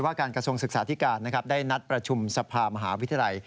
การกระทรวงศึกษาธิการนะครับได้นัดประชุมสภามหาวิทยาลัย